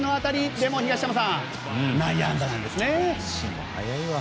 でも内野安打なんですね。